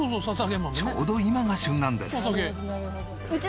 ちょうど今が旬なんです。